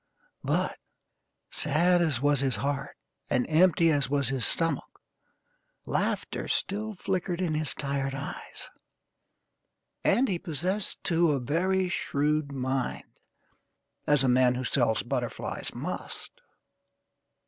But, sad as was his heart, and empty as was his stomach, laughter still flickered in his tired eyes; and he possessed, too, a very shrewd mind, as a man who sells butterflies must.